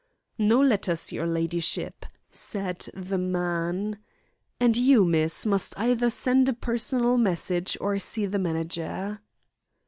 "No letters, your ladyship," said the man. "And you, miss, must either send a personal message or see the manager."